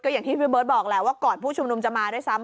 อย่างที่พี่เบิร์ตบอกแหละว่าก่อนผู้ชุมนุมจะมาด้วยซ้ำ